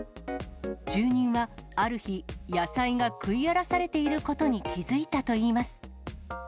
住人は、ある日、野菜が食い荒らされていることに気付いたといいます。